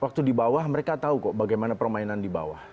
waktu di bawah mereka tahu kok bagaimana permainan di bawah